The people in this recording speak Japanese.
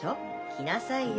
着なさいよ。